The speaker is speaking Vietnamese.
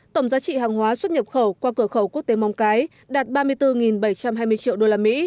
tổng giá trị hàng hóa xuất nhập khẩu qua cửa khẩu quốc tế mong cái đạt ba mươi bốn bảy trăm hai mươi triệu usd